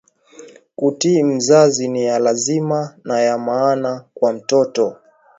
Kutii mzazi niya lazima na ya maana kwa mtoto